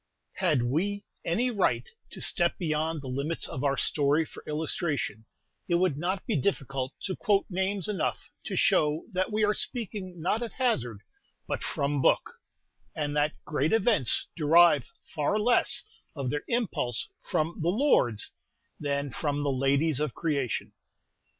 Had we any right to step beyond the limits of our story for illustration, it would not be difficult to quote names enough to show that we are speaking not at hazard, but "from book," and that great events derive far less of their impulse from "the lords" than from "the ladies of creation."